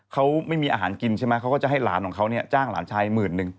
เขาไม่มีอาหารกินใช่ไหมเขาก็จะให้หลานของเขาเนี่ยจ้างหลานชายหมื่นนึง